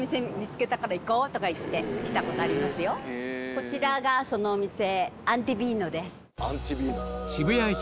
こちらがそのお店。